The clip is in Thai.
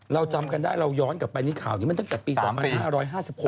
เราจำกันได้เราย้อนกลับไปนี่ข่าวนี้มันตั้งแต่ปี๒๕๕๖